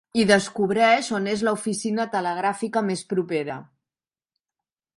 I descobreix on és l'oficina telegràfica més propera.